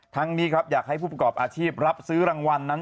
ทั้งนี้ครับอยากให้ผู้ประกอบอาชีพรับซื้อรางวัลนั้น